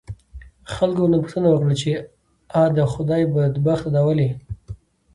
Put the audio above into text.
خلکو ورنه پوښتنه وکړه، چې آ د خدای بدبخته دا ولې؟